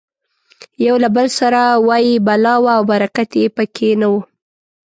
یو له بل سره وایي بلا وه او برکت یې پکې نه و.